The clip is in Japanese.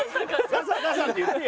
ガサガサって言ってよ。